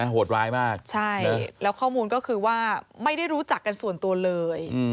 โหดร้ายมากใช่แล้วข้อมูลก็คือว่าไม่ได้รู้จักกันส่วนตัวเลย